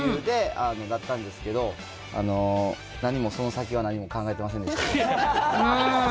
食べ放題って理由でだったんですけど、何もその先は、何も考えてませんでした。